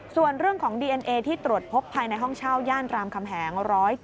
ส่วนเรื่องของดีเอ็นเอที่ตรวจพบภายในห้องเช่าย่านรามคำแหง๑๗